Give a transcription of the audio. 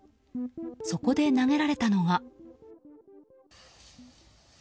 そこで投げられたのは。